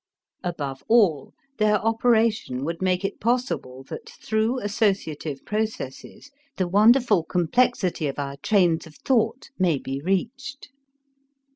Above all their operation would make it possible that through associative processes, the wonderful complexity of our trains of thought may be reached.